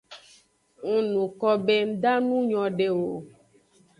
Ng nuko be nda nu nyode o.